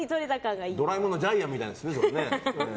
「ドラえもん」のジャイアンみたいだね。